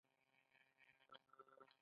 د ژبې هنري اړخ باید هیر نشي.